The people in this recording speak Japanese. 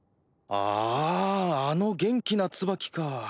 あああの元気なツバキか。